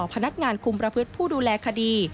พนักงานคุมประพฤติผู้ดูแลคดี